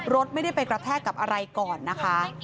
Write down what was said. รถไม่ได้ไปกระแทกกับอะไรก่อนนะคะ